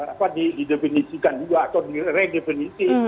itu harus didefinisikan juga atau diredefinisi